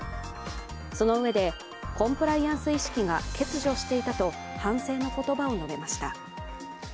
そのうえで、コンプライアンス意識が欠如していたと反省の言葉を述べました。